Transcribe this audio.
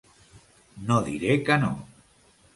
No diré que no.